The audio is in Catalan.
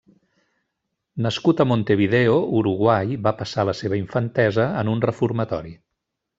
Nascut a Montevideo, Uruguai, va passar la seva infantesa en un reformatori.